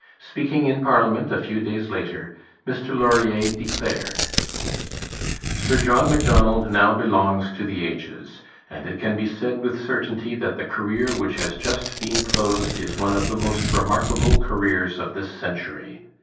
Speaking in parliament a few days later, Mr Laurier declared: Sir John Macdonald now belongs to the ages, and it can be said with certainty that the career which has just been closed is one of the most remarkable careers of this century....